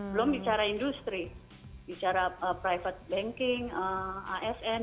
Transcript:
belum bicara industri bicara private banking asn